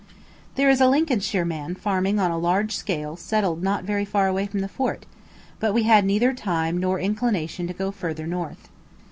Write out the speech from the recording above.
There is a Lincolnshire man farming on a large scale settled not very far away from the fort; but we had neither time nor inclination to go further north.